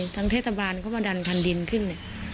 ทางเทศบาลเขามาดันคันดินขึ้นเนี่ย